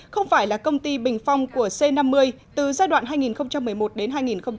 không phải là công ty bình phong của c năm mươi từ giai đoạn hai nghìn một mươi một đến hai nghìn một mươi bảy